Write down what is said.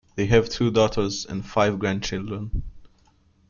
They have two daughters and five grandchildren.